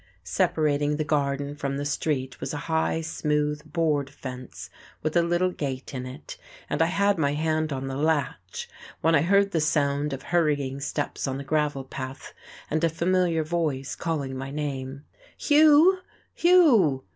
Separating the garden from the street was a high, smooth board fence with a little gate in it, and I had my hand on the latch when I heard the sound of hurrying steps on the gravel path and a familiar voice calling my name. "Hugh! Hugh!"